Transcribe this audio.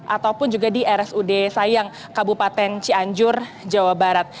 ataupun juga di rsud sayang kabupaten cianjur jawa barat